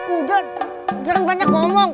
udah jangan banyak ngomong